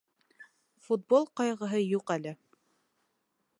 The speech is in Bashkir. Футбол ҡайғыһы юҡ әле.